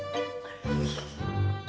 lihat nih ya